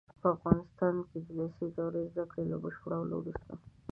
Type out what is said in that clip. په افغانستان کې د لېسې دورې زده کړو له بشپړولو وروسته